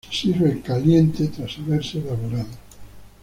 Se sirve caliente tras haberse elaborado.